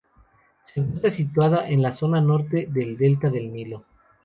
Se encuentra situada en la zona norte del delta del Nilo.